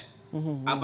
apakah itu prosesnya